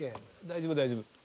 大丈夫大丈夫。